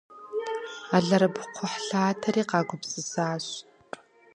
Алэрыбгъу-кхъухьлъатэри къагупсысащ.